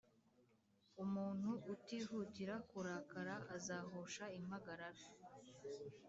umuntu utihutira kurakara azahosha impagarara